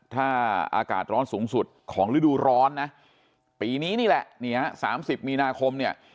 ถ้าอากาศร้อนสูงสุดของฤดูร้อนนะปีนี้นี่แหละนี่ฮะ๓๐มีนาคมเนี่ย